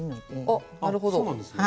あっそうなんですね。